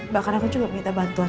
bahkan aku juga minta bantuan